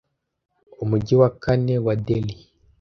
umujyi wa kane wa Delhi